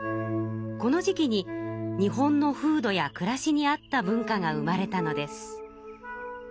この時期に日本の風土やくらしに合った文化が生まれたのです。